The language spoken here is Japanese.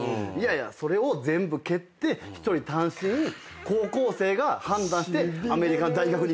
それを全部蹴って１人単身高校生が判断してアメリカの大学に行くんすよ。